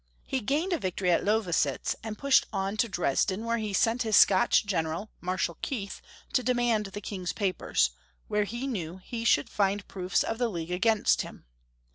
He gained a victory at Lowositz, and pushed on to Dresden, where he sent his Scotch general. Marshal Keith, to demand the King's papers, where he knew he should find proofs of the league against him.